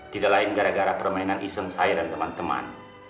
tidak lain gara gara permainan iseng saya dan teman teman